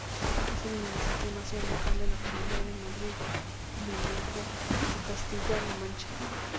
Es el municipio más oriental de la Comunidad de Madrid, lindante con Castilla-La Mancha.